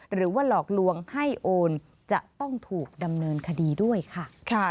หรือว่าหลอกลวงให้โอนจะต้องถูกดำเนินคดีด้วยค่ะ